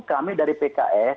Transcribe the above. kami dari pembangunan